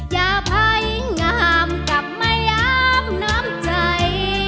อยากให้งามกลับมาย้ำน้ำใจ